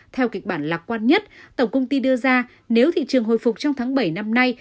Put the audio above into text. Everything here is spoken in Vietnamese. theo kịch bản lạc quan nhất tổng công ty đưa ra nếu thị trường hồi phục trong tháng bảy năm nay